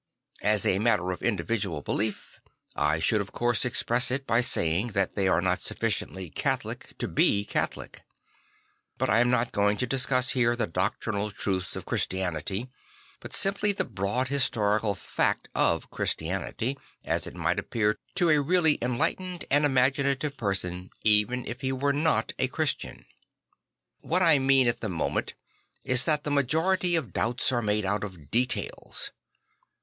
As a matter of individual belief, I should of course express it by saying that they are not sufficiently catholic to be Catholic. But I am not going to discuss here the doctrinal truths of Christianity, but simply '['he IV arId St. Francis Found 25 the broad historical fact of Christianity, as it might appear to a really enlightened and imagina tive person even if he were not a Christian. What I mean at the moment is that the majority of doubts are made out of details.